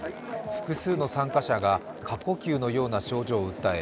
複数の参加者が過呼吸のような症状を訴え